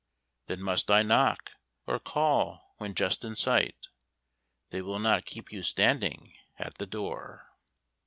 Then must I knock, or call when just in sight? They will not keep you standing at that door.